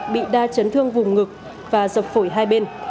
bị đa chấn thương vùng ngực và dập phổi hai bên